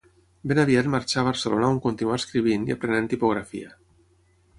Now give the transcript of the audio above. Ben aviat marxà a Barcelona on continuà escrivint i aprenent tipografia.